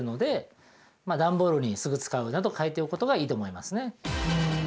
段ボールに「すぐ使う」など書いておくことがいいと思いますね。